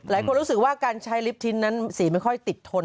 หลายคนรู้สึกว่าการใช้ลิปชิ้นนั้นสีไม่ค่อยติดทน